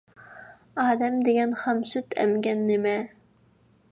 ئادەم دېگەن خام سۈت ئەمگەن نېمە.